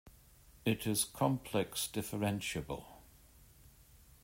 it is complex differentiable.